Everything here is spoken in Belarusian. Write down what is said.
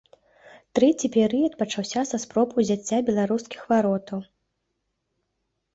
Трэці перыяд пачаўся са спроб узяцця беларускіх варотаў.